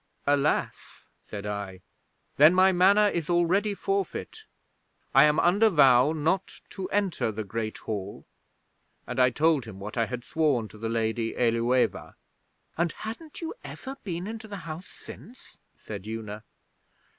'"Alas!" said I, "then my Manor is already forfeit. I am under vow not to enter the Great Hall." And I told him what I had sworn to the Lady Ælueva.' 'And hadn't you ever been into the house since?' said Una.